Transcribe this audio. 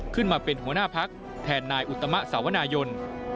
ขึ้นมาเป็นหัวหน้าพักแทนนายอุตมะสาวนายน